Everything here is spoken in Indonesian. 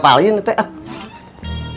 mental disorder adalah suatu bentuk gangguan